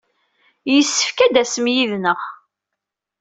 Yessefk ad d-tasem yid-neɣ.